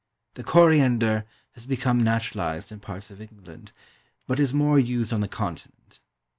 The CORIANDER has become naturalised in parts of England, but is more used on the Continent.